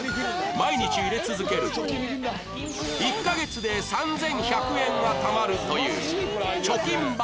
毎日入れ続けると１カ月で３１００円がたまるという貯金箱カレンダー